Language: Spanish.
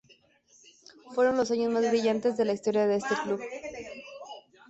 Fueron los años más brillantes de la historia de este club.